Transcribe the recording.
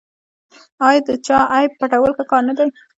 آیا د چا عیب پټول ښه کار نه دی؟